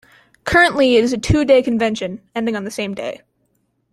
Currently it is a two-day convention, ending on the same day.